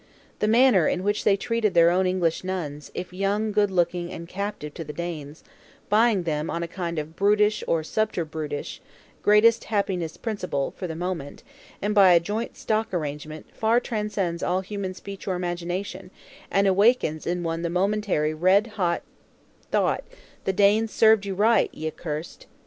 The manner in which they treated their own English nuns, if young, good looking, and captive to the Danes; buying them on a kind of brutish or subter brutish "Greatest Happiness Principle" (for the moment), and by a Joint Stock arrangement, far transcends all human speech or imagination, and awakens in one the momentary red hot thought, The Danes have served you right, ye accursed!